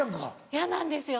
嫌なんですよ